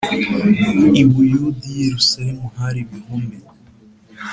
i Buyuda i Yerusalemu hari ibihome